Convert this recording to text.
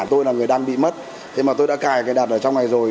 tôi là người đang bị mất thế mà tôi đã cài cài đặt ở trong này rồi